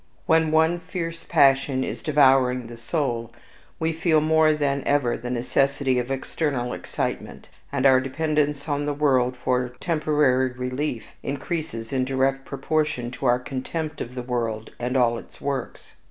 When one fierce passion is devouring the soul, we feel more than ever the necessity of external excitement; and our dependence on the world for temporary relief increases in direct proportion to our contempt of the world and all its works.